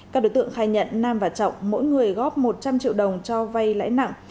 các đối tượng khai nhận nam và trọng mỗi người góp một trăm linh triệu đồng cho vay lãi nặng